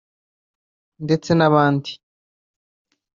ndetse n’abandi